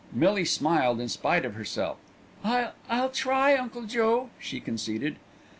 Millie smiled in spite of herself. "I'll I'll try, Uncle Joe," she conceded.